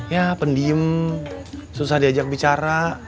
ya pendiem susah diajak bicara